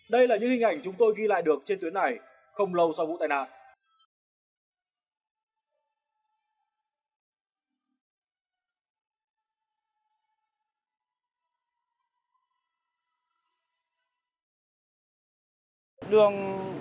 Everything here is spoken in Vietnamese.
đây là những hình ảnh chúng tôi ghi lại được trên tuyến này không lâu sau vụ tai nạn